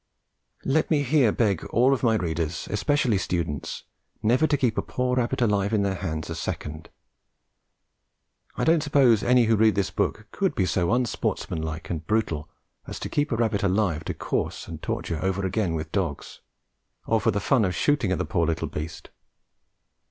Let me here beg of all my readers, especially students, never to keep a poor rabbit alive in their hands a second. I don't suppose any who read this book could be so unsportsmanlike and brutal as to keep a rabbit alive to course and torture over again with dogs, or for the fun of shooting at the poor little beast.